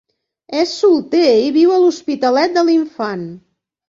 És solter i viu a l'Hospitalet de l'Infant.